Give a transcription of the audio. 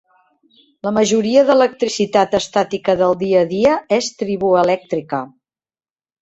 La majoria d"electricitat estàtica del dia a dia és triboelèctrica.